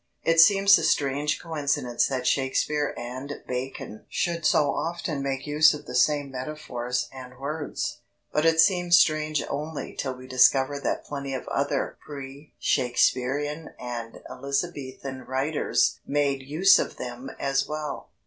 It seems a strange coincidence that Shakespeare and Bacon should so often make use of the same metaphors and words. But it seems strange only till we discover that plenty of other pre Shakespearean and Elizabethan writers made use of them as well.